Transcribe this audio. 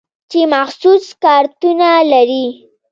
چې مخصوص کارتونه لري.